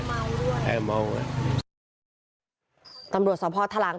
กลับมาเสีย